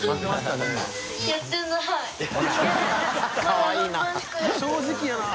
かわいいな。